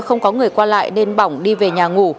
không có người qua lại nên bỏng đi về nhà ngủ